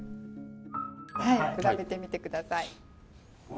はい比べてみて下さい。